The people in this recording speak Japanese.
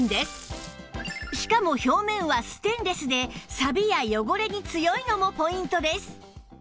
しかも表面はステンレスでサビや汚れに強いのもポイントです